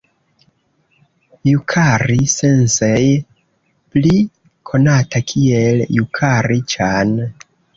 Jukari-sensej, pli konata kiel Jukari-ĉan.